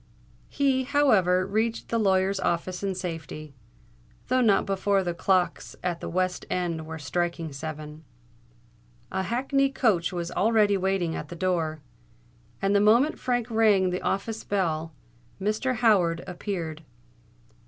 He, however, reached the lawyer's office in safety, though not before the clocks at the West End were striking seven. A hackney coach was already waiting at the door; and the moment Frank rang the office bell, Mr. Howard appeared.